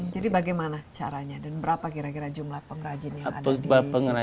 jadi bagaimana caranya dan berapa kira kira jumlah pengrajin yang ada di situ